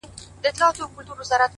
بس ژونده همدغه دی’ خو عیاسي وکړه’